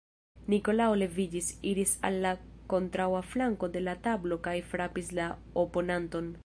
Nikolao leviĝis, iris al la kontraŭa flanko de la tablo kaj frapis la oponanton.